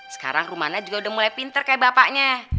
sekarang rumahnya juga udah mulai pinter kayak bapaknya